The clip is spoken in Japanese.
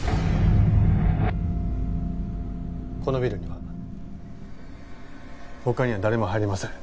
このビルには他には誰も入れません。